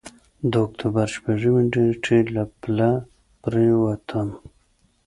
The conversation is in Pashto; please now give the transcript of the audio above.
د اکتوبر شپږمې نېټې له پله پورېوتم.